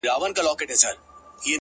چي بیا به څه ډول حالت وي ـ د ملنگ ـ